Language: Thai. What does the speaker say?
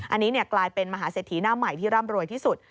อันนี้กลายเป็นมหาเศรษฐีหน้าใหม่ที่ร่ำรวยที่สุด